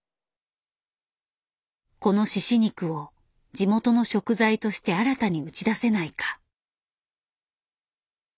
この猪肉を地元の食材として新たに打ち出せないか。